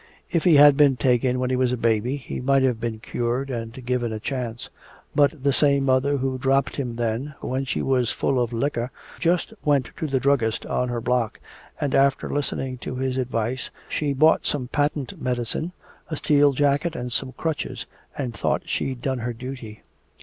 If he had been taken when he was a baby, he might have been cured and given a chance. But the same mother who dropped him then, when she was full of liquor, just went to the druggist on her block, and after listening to his advice she bought some patent medicine, a steel jacket and some crutches, and thought she'd done her duty."